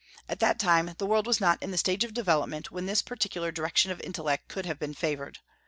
At that time the world was not in the stage of development when this particular direction of intellect could have been favored.